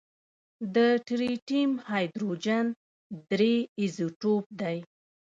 د ټریټیم هایدروجن درې ایزوټوپ دی.